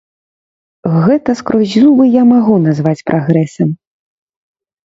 Гэта скрозь зубы я магу назваць прагрэсам.